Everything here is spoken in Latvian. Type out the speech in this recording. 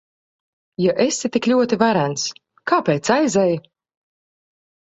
Ja esi tik ļoti varens, kāpēc aizej?